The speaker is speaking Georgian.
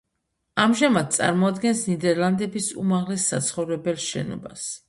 ამჟამად წარმოადგენს ნიდერლანდების უმაღლეს საცხოვრებელ შენობას.